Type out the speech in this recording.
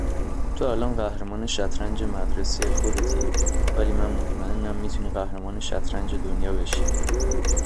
تو الان قهرمان شطرنج مدرسه خودتی ولی من مطمئنم میتونی قهرمان شطرنج دنیا بشی